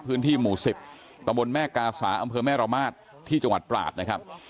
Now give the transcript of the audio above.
พื้นที่หมู่๑๐ตะบนแม่กาสาอำเภอแม่ระมาทที่จังหวัดตราดนะครับ